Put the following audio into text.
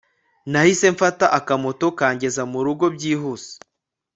nahise mfata akamoto kangeza murugo byihuse